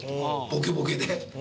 ボケボケで。